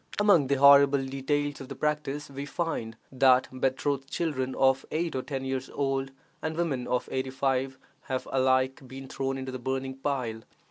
Among the horrible details of the practice we find that betrothed children of eight or ten years old, and women of eighty five, have alike been thrown into the burning pile.